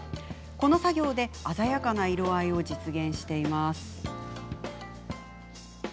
この作業で鮮やかな色合いを実現しています。